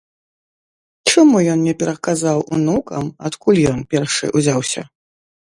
Чаму ён не пераказаў унукам, адкуль ён, першы, узяўся?